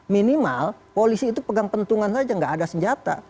minimal polisi itu pegang pentungan saja nggak ada senjata